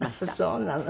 そうなの。